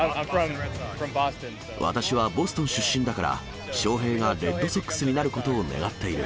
私はボストン出身だから、翔平がレッドソックスになることを願っている。